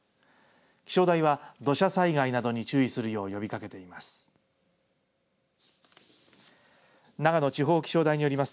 気象台は、土砂災害などに注意するよう呼びかけています。